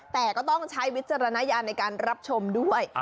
แต่ก็ต้องใช้วิจารณญาณในการรับชมด้วย